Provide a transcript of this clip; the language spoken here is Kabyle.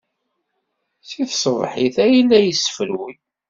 Seg tṣebḥit ay la yessefruy.